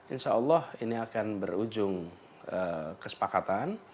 insya allah ini akan berujung kesepakatan